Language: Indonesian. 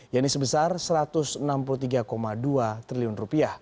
yang ini sebesar rp satu ratus enam puluh tiga dua triliun